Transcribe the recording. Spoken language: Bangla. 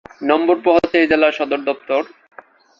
নম্বরপো হচ্ছে এই জেলার সদরদপ্তর।